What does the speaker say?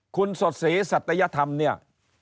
คุณสดศรีสัตยธรรมเนี่ย